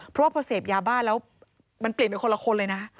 เพราะว่าพอเสพยาบ้าแล้วมันเปลี่ยนเป็นคนละคนเลยนะ